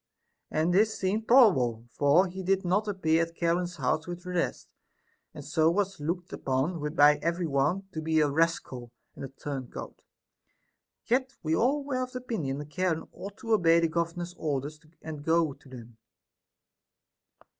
And this seemed probable, for he did not appear at Charon's house with the rest, and so was looked upon by every one to be a rascal and a turn coat ; yet we all were of opinion that Charon ought to obey the governor's orders and go to them.